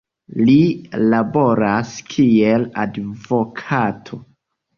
Li laboras kiel advokato.